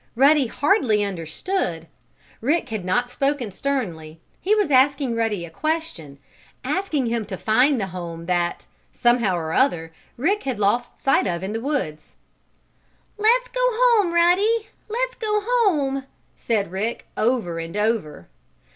Ruddy hardly understood. Rick had not spoken sternly. He was asking Ruddy a question asking him to find the home that, somehow or other, Rick had lost sight of in the woods. "Let's go home, Ruddy! Let's go home!" said Rick, over and over.